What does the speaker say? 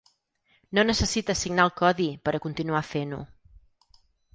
No necessita signar el codi per a continuar fent-ho.